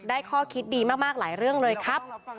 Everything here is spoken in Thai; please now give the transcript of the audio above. ข้อคิดดีมากหลายเรื่องเลยครับ